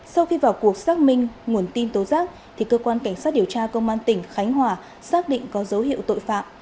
sau khi vào cuộc xác minh nguồn tin tố giác cơ quan cảnh sát điều tra công an tỉnh khánh hòa xác định có dấu hiệu tội phạm